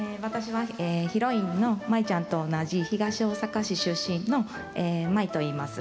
ヒロインの舞ちゃんと同じ東大阪市出身の、まいと言います。